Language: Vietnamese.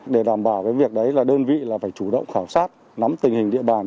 để đảm bảo với việc đấy là đơn vị phải chủ động khảo sát nắm tình hình địa bàn